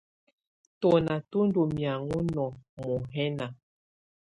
Tùnà tù ndù mianɔ̀á nɔ̀ muḥǝna.